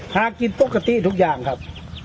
หากินปกติทุกอย่างครับ